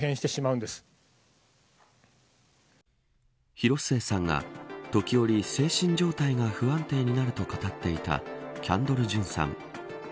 広末さんが時折精神状態が不安定になると語っていたキャンドル・ジュンさん。